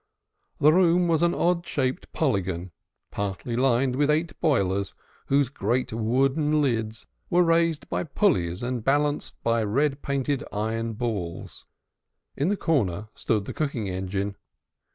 The room was an odd shaped polygon, partially lined with eight boilers, whose great wooden lids were raised by pulleys and balanced by red painted iron balls. In the corner stood the cooking engine.